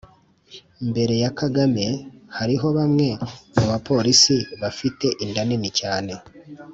Mbere ya Kagame hariho bamwe mu bapolisi bafite inda nini cyane